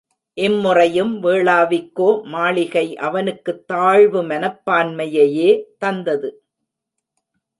இம்முறையும் வேளாவிக்கோ மாளிகை அவனுக்குத் தாழ்வு மனப்பான்மையையே தந்தது.